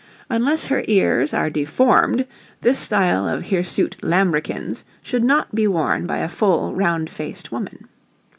Unless her ears are deformed this style of hirsute lambrequins should not be worn by a full, round faced woman.